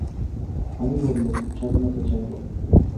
আমি বললুম, স্বাধীনতা চাই বলে।